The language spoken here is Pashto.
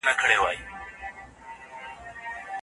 هغه پاڼه چي ما پرې ليکل کول نيمه سوځېدلې وه.